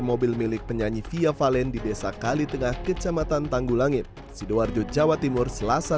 mobil milik penyanyi fia valen di desa kalitengah kecamatan tanggulangit sidoarjo jawa timur selasa